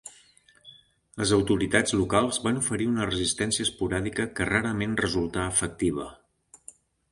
Les autoritats locals van oferir una resistència esporàdica que rarament resultà efectiva.